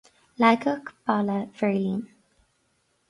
Leagadh Balla Bheirlín.